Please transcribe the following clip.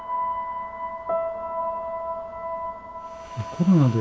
コロナで？